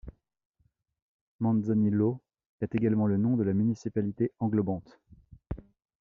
Manzanillo est également le nom de la municipalité englobante.